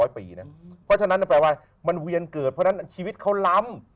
เพราะฉะนั้นแปลว่ามันเวียนเกิดเพราะฉะนั้นชีวิตเขาล้ำ